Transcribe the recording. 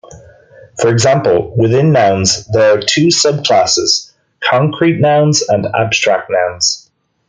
For example within nouns there are two sub classes, concrete nouns and abstract nouns.